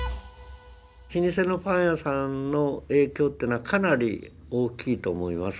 老舗のパン屋さんの影響っていうのはかなり大きいと思います。